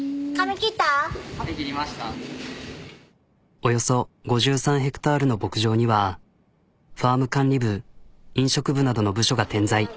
およそ５３ヘクタ―ルの牧場にはファーム管理部飲食部などの部署が点在。